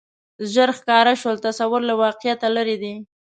ژر ښکاره شول تصور له واقعیته لرې دی